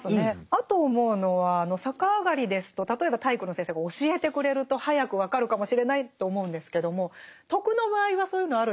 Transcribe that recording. あと思うのは逆上がりですと例えば体育の先生が教えてくれると早く分かるかもしれないと思うんですけども「徳」の場合はそういうのあるんですか？